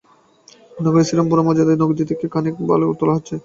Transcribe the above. নগরের শ্রীরামপুর মৌজায় পদ্মা নদী থেকে মাস খানেক ধরে বালু তোলা হচ্ছে।